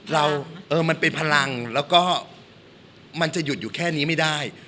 เออมันเป็นพลังแล้วก็มันจะหยุดอยู่แค่นี้ไม่ได้